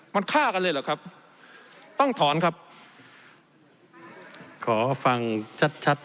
มันฆ่ากันเลยเหรอครับต้องถอนครับขอฟังชัดชัด